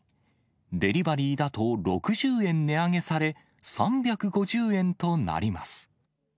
デリバリーだと６０円値上げされ、３５０円となります。